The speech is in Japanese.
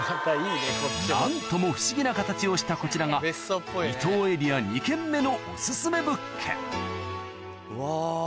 何とも不思議な形をしたこちらが伊東エリア２軒目のうわ。